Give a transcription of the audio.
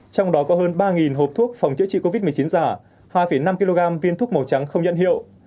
trong đó có hơn ba hộp thuốc phòng chữa trị covid một mươi chín giả hai năm kg viên thuốc màu trắng không nhãn hiệu